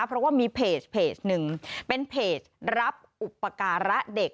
เพราะว่ามีเพจหนึ่งเป็นเพจรับอุปการะเด็ก